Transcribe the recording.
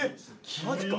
マジか。